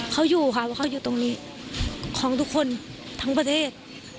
เขาอยู่ค่ะเพราะเขาอยู่ตรงนี้ของทุกคนทั้งประเทศ